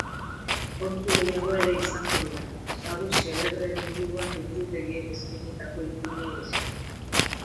Kontu gehiago ere izango dira, sagu xelebreen inguruan liburutegiek eskainitako ipuinei esker.